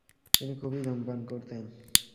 তিনি খুবই ধূমপান করতেন।